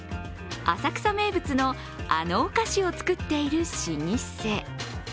浅草名物のあのお菓子を作っている老舗。